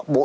bộ y tế